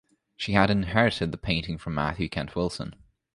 She had inherited the painting from Mathew Kent Wilson.